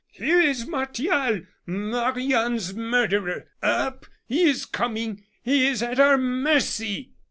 here is Martial, Marie Anne's murderer! Up! he is coming! he is at our mercy!"